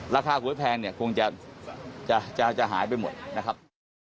ราคาหวยแพงเนี่ยคงจะหายไปหมดนะครับ